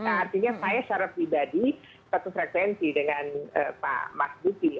artinya saya secara pribadi satu frekuensi dengan pak mas budi